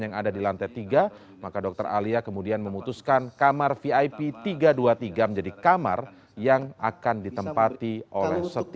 yang ada di lantai tiga maka dokter alia kemudian memutuskan kamar vip tiga ratus dua puluh tiga menjadi kamar yang akan ditempati oleh setia